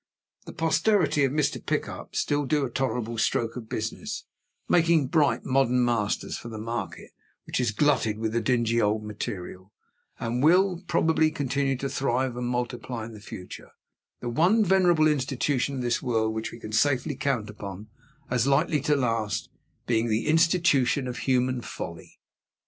The posterity of Mr. Pickup still do a tolerable stroke of business (making bright modern masters for the market which is glutted with the dingy old material), and will, probably, continue to thrive and multiply in the future: the one venerable institution of this world which we can safely count upon as likely to last, being the institution of human folly.